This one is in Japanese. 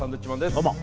どうも。